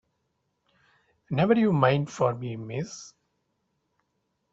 Never you mind for me, miss.